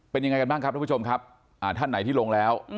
เป็นยังไงกันบ้างครับทุกผู้ชมครับท่านไหนที่ลงแล้ว